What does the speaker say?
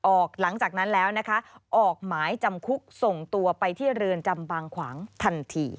หลังจากนั้นแล้วนะคะออกหมายจำคุกส่งตัวไปที่เรือนจำบางขวางทันที